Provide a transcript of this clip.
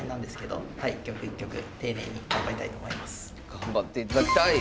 頑張っていただきたい！